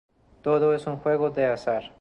Todo es un juego de azar.